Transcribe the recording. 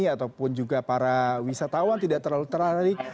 ataupun juga para wisatawan tidak terlalu tertarik